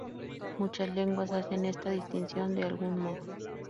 Muchas lenguas hacen esta distinción de algún modo.